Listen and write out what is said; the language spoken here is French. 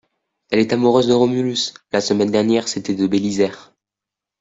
Elle est amoureuse de Romulus !… la semaine dernière c’était de Bélisaire !